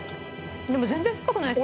でも全然すっぱくないですよ。